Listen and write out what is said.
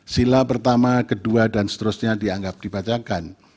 sila pertama kedua dan seterusnya dianggap dibacakan